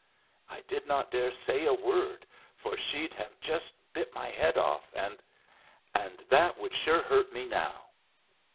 I did not dare say a word, for she'd have just bit my head off, and and that would sure hurt me now!"